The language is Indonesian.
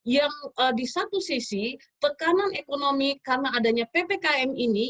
yang di satu sisi tekanan ekonomi karena adanya ppkm ini